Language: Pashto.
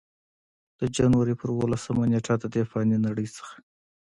د جنورۍ پۀ اولسمه نېټه ددې فانې نړۍ نه